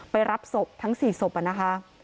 รับศพทั้ง๔ศพนะคะ